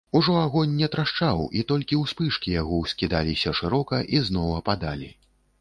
Ужо агонь не трашчаў, і толькі ўспышкі яго ўскідаліся шырока і зноў ападалі.